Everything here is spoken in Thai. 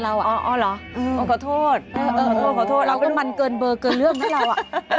เราของเมียมันเกินเบอร์เกินเลื่องนะเรา